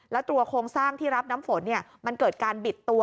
แล้วตัวโครงสร้างที่รับน้ำฝนมันเกิดการบิดตัว